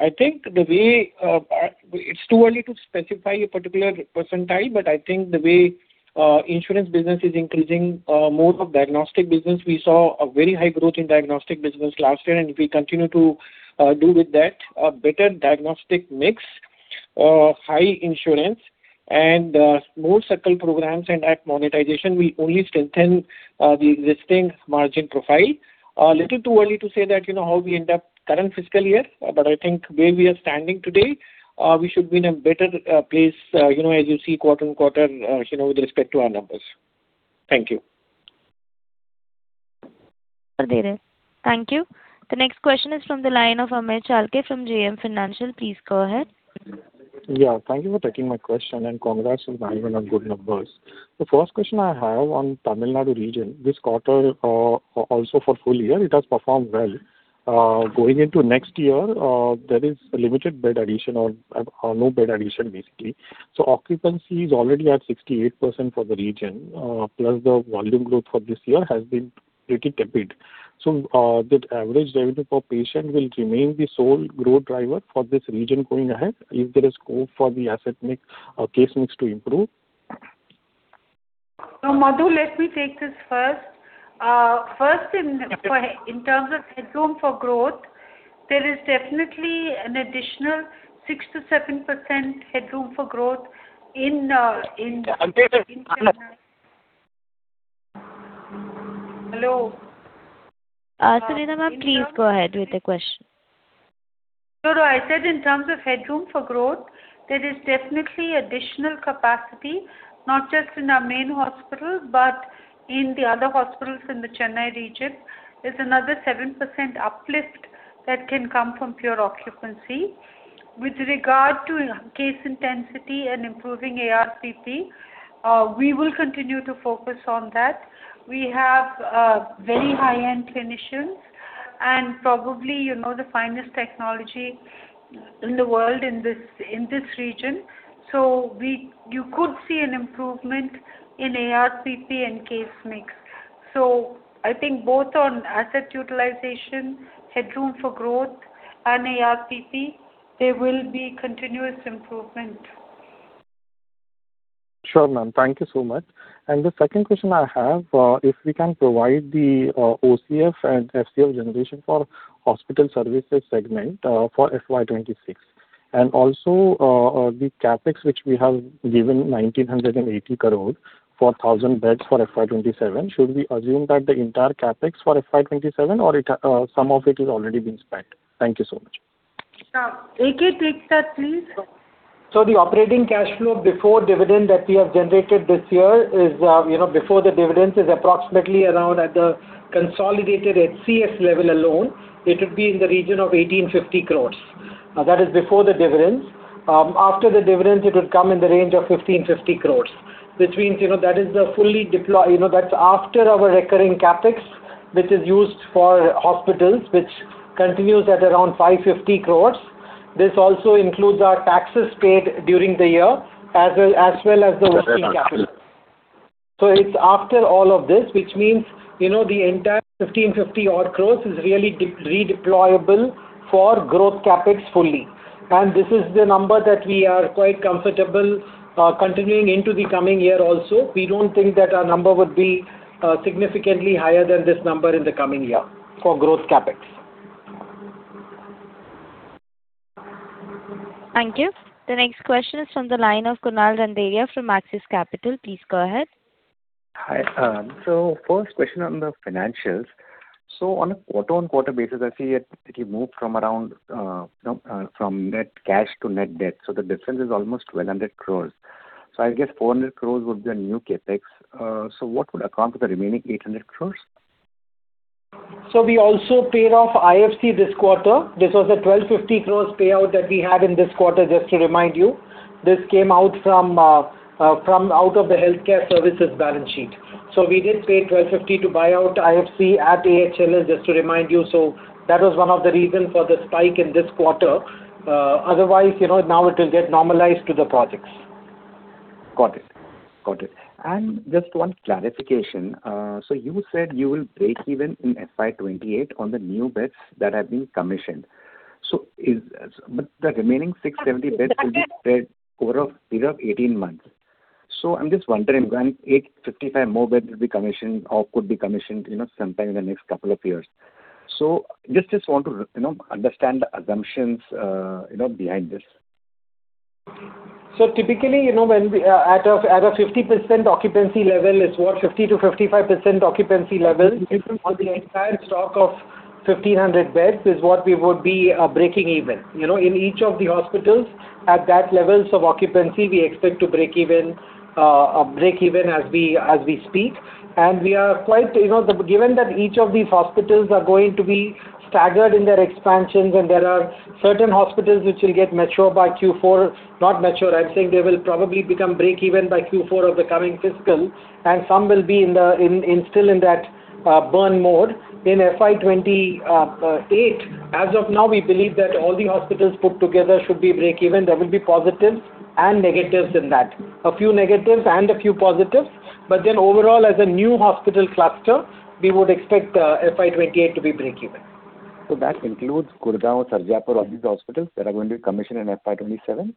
I think it's too early to specify a particular percentile, but I think the way insurance business is increasing more of diagnostic business. We saw a very high growth in diagnostic business last year. If we continue to do with that a better diagnostic mix, high insurance and more Circle programs and ad monetization, we only strengthen the existing margin profile. A little too early to say that how we end up current fiscal year. I think where we are standing today, we should be in a better place as you see quarter-on-quarter with respect to our numbers. Thank you. Thank you. The next question is from the line of Amey Chalke from JM Financial. Please go ahead. Yeah. Thank you for taking my question and congrats on the good numbers. The first question I have on Tamil Nadu region. This quarter, also for full year, it has performed well. Going into next year, there is limited bed addition or no bed addition basically. Occupancy is already at 68% for the region, plus the volume growth for this year has been pretty tepid. That average revenue per patient will remain the sole growth driver for this region going ahead. Is there a scope for the asset mix or case mix to improve? No, Madhu, let me take this first. First, in terms of headroom for growth, there is definitely an additional 6%-7% headroom for growth. Hello. Suneeta ma'am, please go ahead with the question. Sure. I said in terms of headroom for growth, there is definitely additional capacity, not just in our main hospitals, but in the other hospitals in the Chennai region. There's another 7% uplift that can come from pure occupancy. With regard to case intensity and improving ARPP, we will continue to focus on that. We have very high-end clinicians and probably the finest technology in the world in this region. You could see an improvement in ARPP and case mix. I think both on asset utilization, headroom for growth, and ARPP, there will be continuous improvement. Sure, ma'am. Thank you so much. The second question I have, if we can provide the OCF and FCF generation for hospital services segment for FY 2026, and also the CapEx, which we have given 1,980 crore for 1,000 beds for FY 2027. Should we assume that the entire CapEx for FY 2027 or some of it is already been spent? Thank you so much. AK, take that please. The operating cash flow before dividend that we have generated this year is, before the dividends, is approximately around at the consolidated HCS level alone, it would be in the region of 1,850 crores. That is before the dividends. After the dividends, it would come in the range of 1,550 crores, which means that is after our recurring CapEx, which is used for hospitals, which continues at around 550 crores. This also includes our taxes paid during the year as well as the working capital. It is after all of this, which means the entire 1,550 odd crores is really redeployable for growth CapEx fully. This is the number that we are quite comfortable continuing into the coming year also. We do not think that our number would be significantly higher than this number in the coming year for growth CapEx. Thank you. The next question is from the line of Kunal Randeria from Axis Capital. Please go ahead. Hi. First question on the financials. On a quarter-on-quarter basis, I see it moved from net cash to net debt. The difference is almost 1,200 crores. I guess 400 crores would be a new CapEx. What would account for the remaining 800 crores? We also paid off IFC this quarter. This was a 1,250 crores payout that we had in this quarter, just to remind you. This came out of the healthcare services balance sheet. We did pay 1,250 to buy out IFC at AHLL, just to remind you. That was one of the reasons for the spike in this quarter. Otherwise, now it will get normalized to the projects. Got it. Just one clarification. You said you will break even in FY 2028 on the new beds that have been commissioned. The remaining 670 beds will be spread over a period of 18 months. I'm just wondering when 855 more beds will be commissioned or could be commissioned sometime in the next couple of years. Just want to understand the assumptions behind this. Typically, at a 50% occupancy level is what, 50%-55% occupancy level on the entire stock of 1,500 beds is what we would be breaking even. In each of the hospitals at those levels of occupancy, we expect to break even as we speak. Given that each of these hospitals are going to be staggered in their expansions, and there are certain hospitals which will get mature by Q4, not mature, I'm saying they will probably become break even by Q4 of the coming fiscal, and some will be still in that burn mode. In FY 2028, as of now, we believe that all the hospitals put together should be break even. There will be positives and negatives in that. A few negatives and a few positives. Overall, as a new hospital cluster, we would expect FY 2028 to be break even. That includes Gurugram, Sirsa, all these hospitals that are going to be commissioned in FY 2027?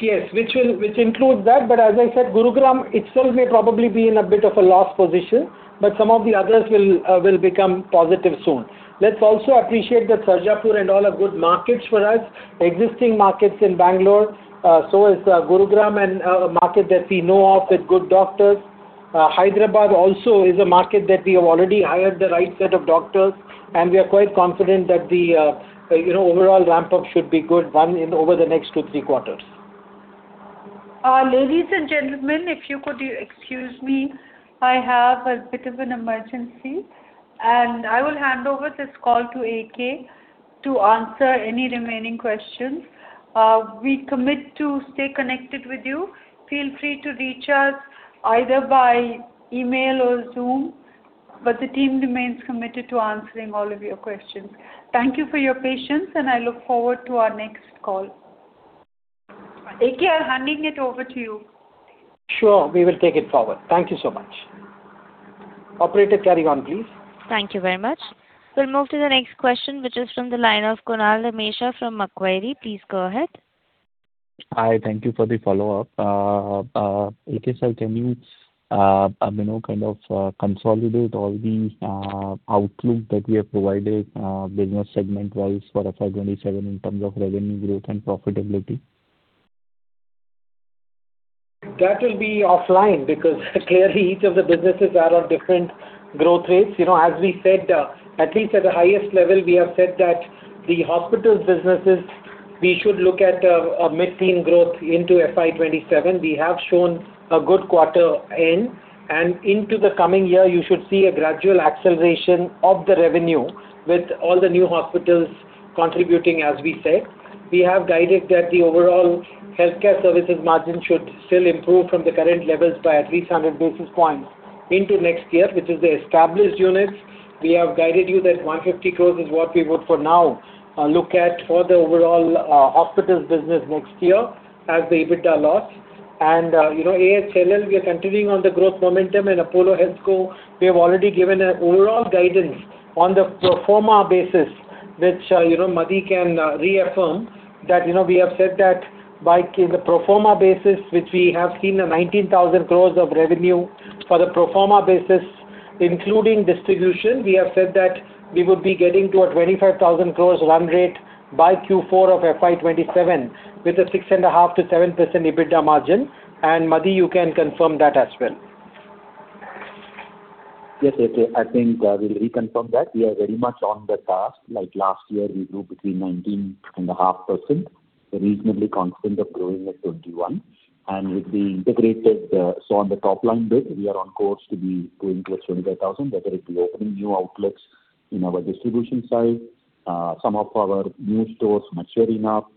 Yes, which includes that. As I said, Gurugram itself may probably be in a bit of a loss position, but some of the others will become positive soon. Let's also appreciate that Sirsa and all are good markets for us. Existing markets in Bangalore, so is Gurugram and a market that we know of with good doctors. Hyderabad also is a market that we have already hired the right set of doctors, and we are quite confident that the overall ramp-up should be good over the next two, three quarters. Ladies and gentlemen, if you could excuse me, I have a bit of an emergency. I will hand over this call to AK to answer any remaining questions. We commit to stay connected with you. Feel free to reach us either by email or Zoom. The team remains committed to answering all of your questions. Thank you for your patience. I look forward to our next call. AK, I'm handing it over to you. Sure. We will take it forward. Thank you so much. Operator, carry on, please. Thank you very much. We'll move to the next question, which is from the line of Kunal Dhamesha from Macquarie. Please go ahead. Hi. Thank you for the follow-up. AK, sir, can you kind of consolidate all the outlook that we have provided business segment-wise for FY 2027 in terms of revenue growth and profitability? That will be offline because clearly each of the businesses are on different growth rates. As we said, at least at the highest level, we have said that the hospitals businesses, we should look at a mid-teen growth into FY 2027. We have shown a good quarter in. Into the coming year, you should see a gradual acceleration of the revenue with all the new hospitals contributing, as we said. We have guided that the overall healthcare services margin should still improve from the current levels by at least 100 basis points into next year, which is the established units. We have guided you that 150 crores is what we would, for now, look at for the overall hospitals business next year as the EBITDA loss. AHLL, we are continuing on the growth momentum and Apollo HealthCo, we have already given an overall guidance on the pro forma basis, which Madhi can reaffirm that we have said that by the pro forma basis, which we have seen 19,000 crores of revenue. For the pro forma basis, including distribution, we have said that we would be getting to a 25,000 crores run rate by Q4 of FY 2027 with a 6.5%-7% EBITDA margin. Madhi, you can confirm that as well. Yes. I think we'll reconfirm that. We are very much on the task. Like last year, we grew between 19.5%, reasonably confident of growing at 21%. With the integrated, on the top-line bit, we are on course to be going to 25,000, whether it be opening new outlets in our distribution side. Some of our new stores maturing up.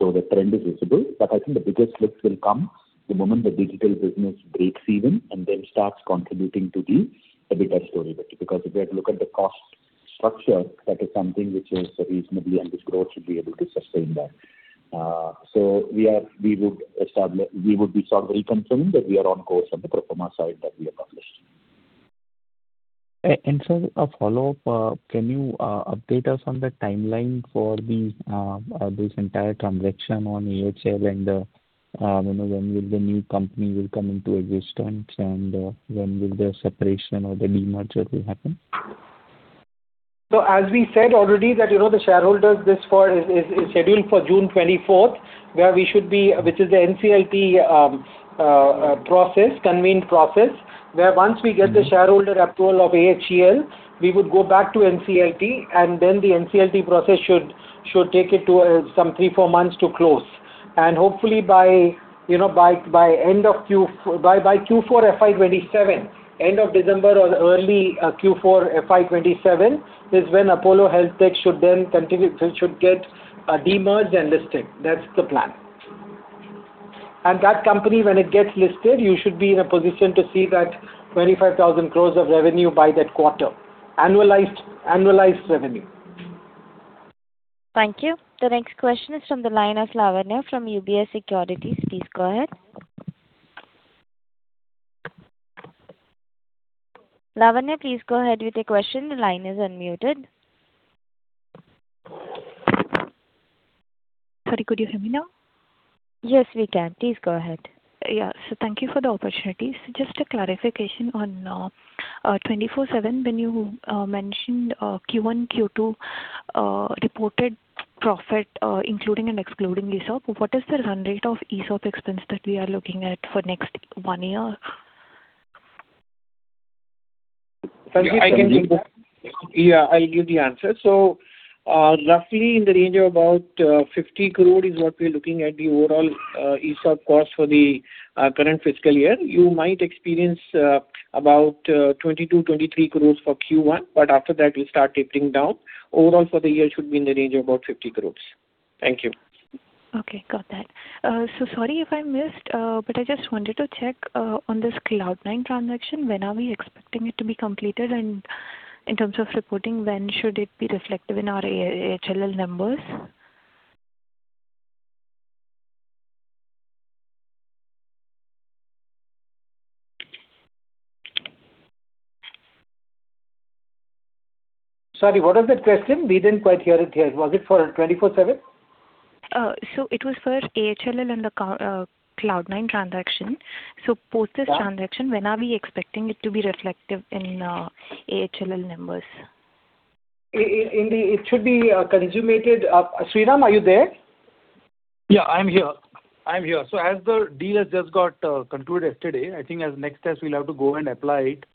The trend is visible. I think the biggest lift will come the moment the digital business breaks even and then starts contributing to the EBITDA story. If you look at the cost structure, that is something which is reasonable, and this growth should be able to sustain that. We would be sort of reconfirming that we are on course on the pro forma side that we established. Sir, a follow-up. Can you update us on the timeline for this entire transaction on AHLL and when will the new company will come into existence, and when will the separation or the de-merger will happen? As we said already that the shareholders, this call is scheduled for June 24th, which is the NCLT convened process. Once we get the shareholder approval of AHLL, we would go back to NCLT, then the NCLT process should take it to some three, four months to close. Hopefully by Q4 FY 2027, end of December or early Q4 FY 2027, is when Apollo HealthCo should get de-merged and listed. That's the plan. That company, when it gets listed, you should be in a position to see that 25,000 crores of revenue by that quarter. Annualized revenue. Thank you. The next question is from the line of Lavanya from UBS Securities. Please go ahead. Lavanya, please go ahead with your question. Sorry, could you hear me now? Yes, we can. Please go ahead. Yeah. Thank you for the opportunity. Just a clarification on 24/7 when you mentioned Q1, Q2 reported profit, including and excluding ESOP, what is the run rate of ESOP expense that we are looking at for next one year? Yeah, I can take that. Can I take that? Yeah, I'll give the answer. Roughly in the range of about 50 crore is what we're looking at the overall ESOP cost for the current fiscal year. You might experience about 22 crore-23 crore for Q1, but after that it'll start tapering down. Overall for the year should be in the range of about 50 crore. Thank you. Okay, got that. Sorry if I missed, but I just wanted to check on this Cloudnine transaction, when are we expecting it to be completed and in terms of reporting, when should it be reflective in our AHLL numbers? Sorry, what was that question? We didn't quite hear it here. Was it for 24/7? It was for AHLL and the Cloudnine transaction. Post this transaction, when are we expecting it to be reflective in AHLL numbers? It should be consummated. Sriram, are you there? Yeah, I'm here. As the deal has just got concluded yesterday, I think as next steps we'll have to go and apply it,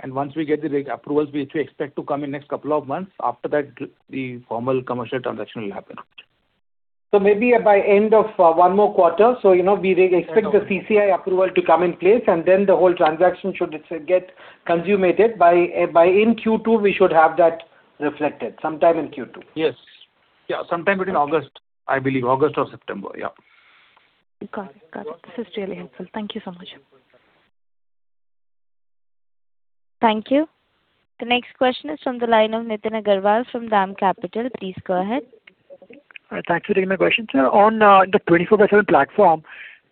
and once we get the approvals, which we expect to come in next couple of months, after that, the formal commercial transaction will happen. Maybe by end of one more quarter. We expect the CCI approval to come in place, and then the whole transaction should get consummated. By in Q2, we should have that reflected, sometime in Q2. Yes. Sometime between August, I believe. August or September. Yeah. Got it. This is really helpful. Thank you so much. Thank you. The next question is from the line of Nitin Agarwal from DAM Capital. Please go ahead. Thanks for taking my question. Sir, on the 24/7 platform,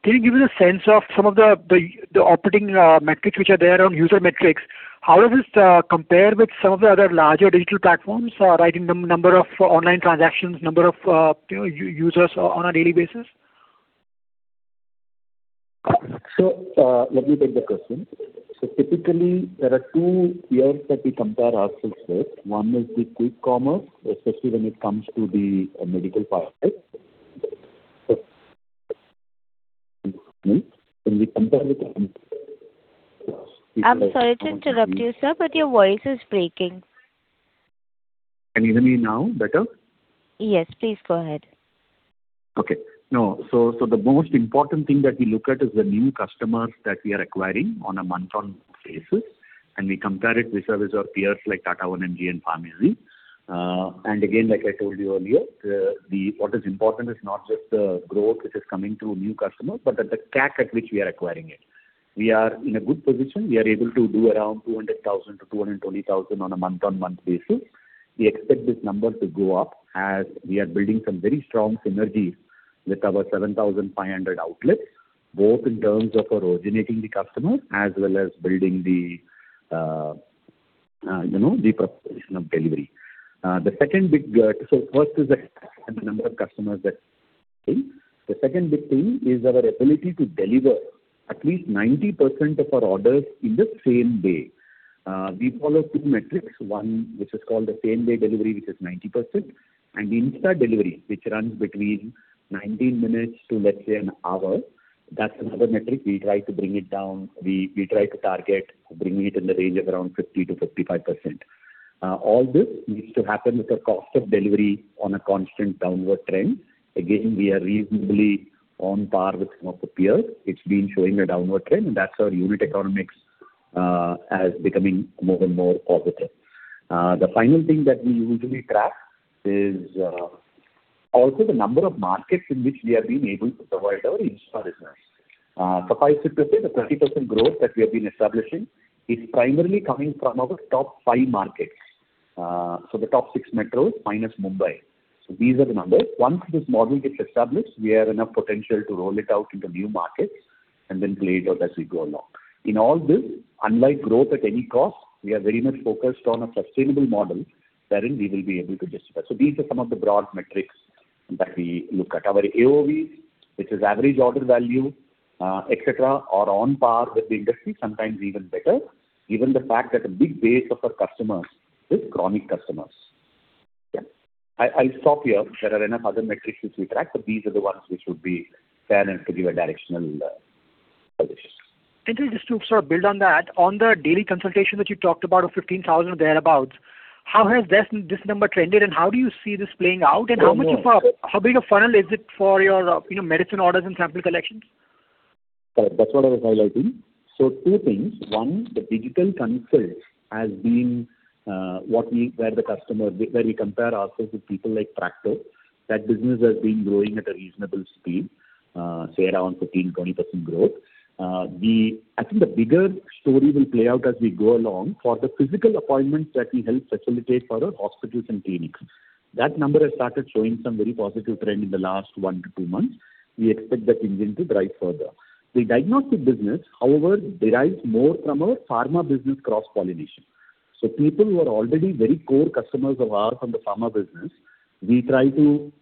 can you give me the sense of some of the operating metrics which are there on user metrics? How does this compare with some of the other larger digital platforms? Like in the number of online transactions, number of users on a daily basis. Let me take the question. Typically, there are two peers that we compare ourselves with. One is the quick commerce, especially when it comes to the medical part. I'm sorry to interrupt you, sir, but your voice is breaking. Can you hear me now better? Yes, please go ahead. Okay. The most important thing that we look at is the new customers that we are acquiring on a month-on-month basis, and we compare it with some of our peers like Tata 1mg and PharmEasy. Again, like I told you earlier, what is important is not just the growth which is coming through new customers, but at the CAC at which we are acquiring it. We are in a good position. We are able to do around 200,000-220,000 on a month-on-month basis. We expect this number to go up as we are building some very strong synergies with our 7,500 outlets, both in terms of originating the customer as well as building the proposition of delivery. First is the CAC and the number of customers that. The second big thing is our ability to deliver at least 90% of our orders in the same day. We follow 2 metrics, one which is called the same-day delivery, which is 90%, and the insta delivery, which runs between 19 min to let's say one hour. That's another metric. We try to bring it down. We try to target bringing it in the range of around 50%-55%. All this needs to happen with the cost of delivery on a constant downward trend. Again, we are reasonably on par with some of the peers. It's been showing a downward trend, and that's our unit economics as becoming more and more positive. The final thing that we usually track is also the number of markets in which we have been able to provide our insta business. Suffice it to say, the 30% growth that we have been establishing is primarily coming from our top five markets. The top six metros minus Mumbai. These are the numbers. Once this model gets established, we have enough potential to roll it out into new markets and then play it out as we go along. In all this, unlike growth at any cost, we are very much focused on a sustainable model wherein we will be able to disperse. These are some of the broad metrics that we look at. Our AOV, which is average order value, et cetera, are on par with the industry, sometimes even better. Given the fact that a big base of our customers is chronic customers. Yeah. I'll stop here. There are enough other metrics which we track, but these are the ones which would be fair enough to give a directional position. Just to sort of build on that, on the daily consultation that you talked about of 15,000 or thereabout, how has this number trended and how do you see this playing out and how big a funnel is it for your medicine orders and sample collections? That's what I was highlighting. Two things. One, the digital consult, where we compare ourselves with people like Practo, that business has been growing at a reasonable speed, say around 15%-20% growth. I think the bigger story will play out as we go along for the physical appointments that we help facilitate for our hospitals and clinics. That number has started showing some very positive trend in the last one to two months. We expect that engine to drive further. The diagnostic business, however, derives more from our pharma business cross-pollination. People who are already very core customers of ours on the pharma business, we try to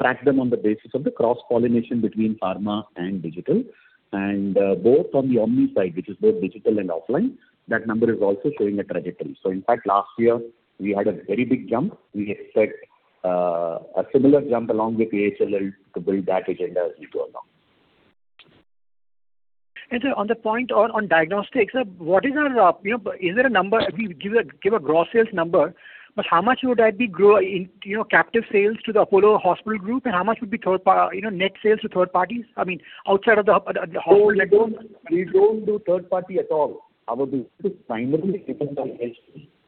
track them on the basis of the cross-pollination between pharma and digital. Both on the omni side, which is both digital and offline, that number is also showing a trajectory. In fact, last year we had a very big jump. We expect a similar jump along with AHLL to build that agenda as we go along. Sir, on the point on diagnostics, is there a number. Give a gross sales number, but how much would that be captive sales to the Apollo Hospitals group, and how much would be net sales to third parties? I mean, outside of the whole network. We don't do third party at all. Our business is primarily driven by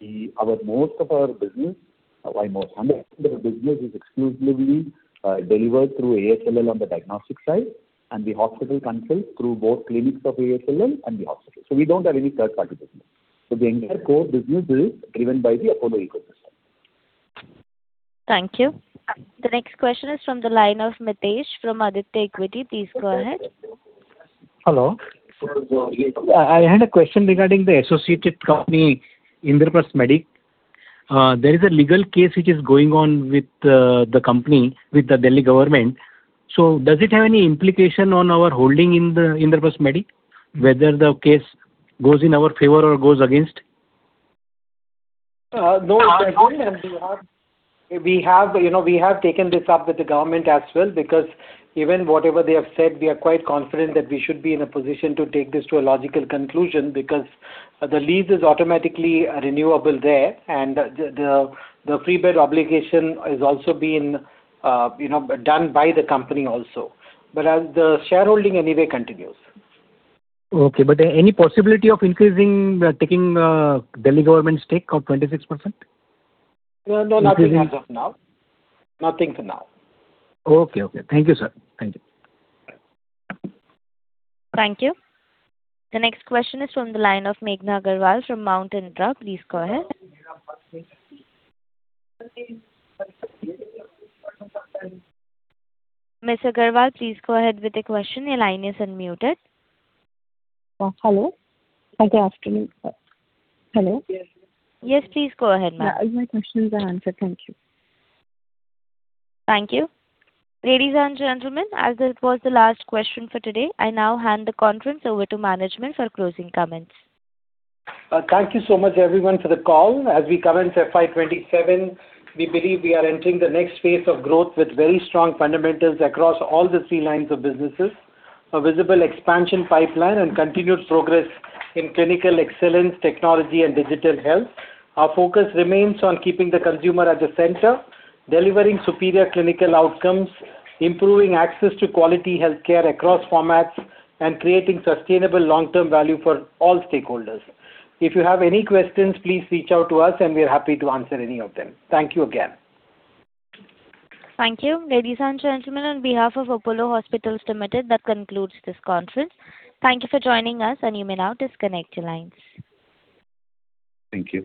AHLL. Most of our business, 100% of the business is exclusively delivered through AHLL on the diagnostic side and the hospital consult through both clinics of AHLL and the hospital. We don't have any third party business. The entire core business is driven by the Apollo ecosystem. Thank you. The next question is from the line of Mitesh from Aditya Equity. Please go ahead. Hello. I had a question regarding the associated company, Indraprastha Medical. There is a legal case which is going on with the company, with the Delhi government. Does it have any implication on our holding in Indraprastha Medical, whether the case goes in our favor or goes against? No. We have taken this up with the government as well because even whatever they have said, we are quite confident that we should be in a position to take this to a logical conclusion because the lease is automatically renewable there and the free bed obligation has also been done by the company also. The shareholding anyway continues. Okay. Any possibility of increasing, taking Delhi government stake of 26%? No, nothing as of now. Nothing for now. Okay. Thank you, sir. Thank you. The next question is from the line of Meghna Agarwal from Mount Intra. Please go ahead. Ms. Agarwal, please go ahead with the question. Your line is unmuted. Hello. Good afternoon, sir. Hello. Yes, please go ahead, ma'am. My questions are answered. Thank you. Thank you. Ladies and gentlemen, as that was the last question for today, I now hand the conference over to management for closing comments. Thank you so much everyone for the call. As we commence FY 2027, we believe we are entering the next phase of growth with very strong fundamentals across all the three lines of businesses, a visible expansion pipeline, and continued progress in clinical excellence, technology, and digital health. Our focus remains on keeping the consumer at the center, delivering superior clinical outcomes, improving access to quality healthcare across formats, and creating sustainable long-term value for all stakeholders. If you have any questions, please reach out to us and we're happy to answer any of them. Thank you again. Thank you. Ladies and gentlemen, on behalf of Apollo Hospitals Limited, that concludes this conference. Thank you for joining us and you may now disconnect your lines. Thank you.